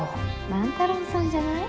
万太郎さんじゃない？